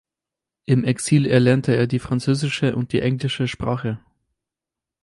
Im Exil erlernte er die französische und die englische Sprache.